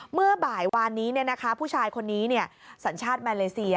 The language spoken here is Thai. เมื่อบ่ายวานนี้ผู้ชายคนนี้สัญชาติมาเลเซีย